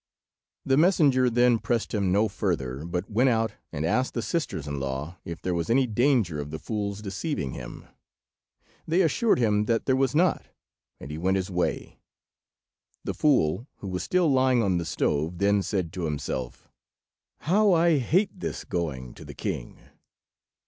The messenger then pressed him no further, but went out and asked the sisters in law if there was any danger of the fool's deceiving him. They assured him that there was not, and he went his way. The fool, who was still lying on the stove, then said to himself— "How I hate this going to the king!"